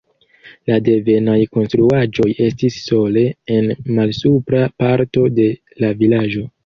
La devenaj konstruaĵoj estis sole en malsupra parto de la vilaĝo.